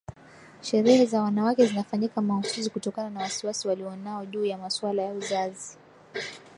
Sherehe za wanawake zinafanyika mahususi kutokana na wasiwasi walionao juu ya masuala ya uzazi